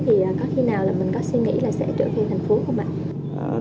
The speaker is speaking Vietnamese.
thì có khi nào là mình có suy nghĩ là sẽ trở về thành phố không ạ